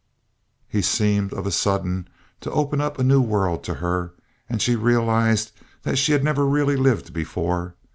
He seemed of a sudden to open up a new world to her, and she realized that she had never really lived before.